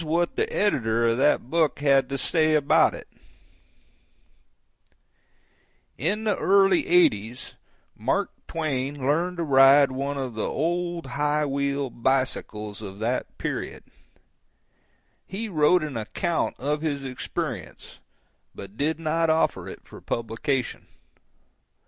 TAMING THE BICYCLE (Written about 1893; not before published) In the early eighties Mark Twain learned to ride one of the old high wheel bicycles of that period. He wrote an account of his experience, but did not offer it for publication.